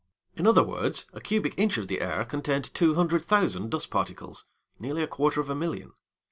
In other words, a cubic inch of the air contained 200,000 dust particles nearly a quarter of a million.